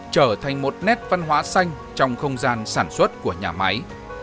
trở thành một nét văn hóa xanh trong không gian sản xuất của nhà máy